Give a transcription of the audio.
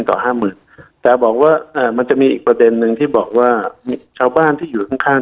แต่อ่าบอกว่ามันจะมีอีกประเด็น๑ที่บอกว่ามีชาวบ้านที่อยู่ข้าง